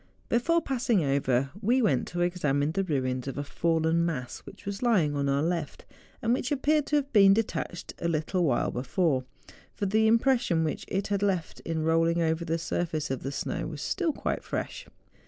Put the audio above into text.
Before passing over, we went to examine the ruins of a fallen mass which was lying on our left, and which appeared to have been detached a little while before; for the impression whicli it had left in rolling over the surface of the snow was still quite fresh.